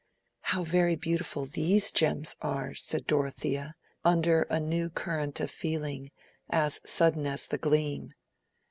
"How very beautiful these gems are!" said Dorothea, under a new current of feeling, as sudden as the gleam.